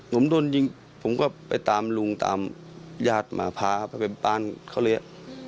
ผมโดนยิงผมก็ไปตามลุงตามญาติมาพาครับไปบ้านเขาเลย